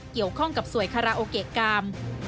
เกี่ยวข้องกับสวยคาราโอเกะกาม